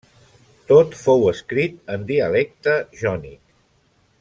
Tot fou escrit en dialecte jònic.